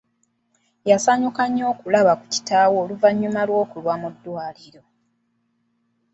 Yasanyuka nnyo okulaba ku kitaawe oluvanyuma lw'okulwa mu ddwaliro.